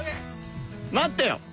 待ってよ！